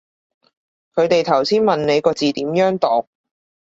佢哋頭先問你個字點樣讀